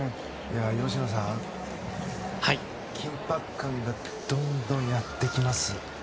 吉野さん、緊迫感がどんどんやってきます。